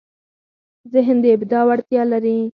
ذهن د ابداع وړتیا لري.